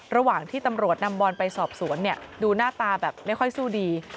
ระหว่างที่ตำรวจนำบอลไปสอบสวนดูหน้าตาแบบไม่ค่อยสู้ดี